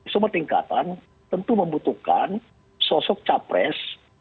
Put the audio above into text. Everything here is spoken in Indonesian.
semua tingkatan tentu membutuhkan sosok capres